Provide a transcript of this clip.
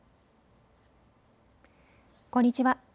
こんにちは。